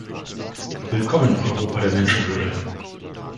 Willkommen, Europa der Menschenwürde!